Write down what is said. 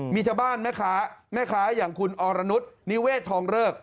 มีชาวบ้านแม่ค้าแม่ค้าอย่างคุณอรนุษย์นิเวศทองเริก